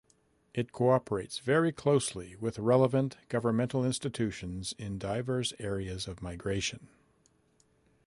It cooperates very closely with relevant governmental institutions in diverse areas of migration.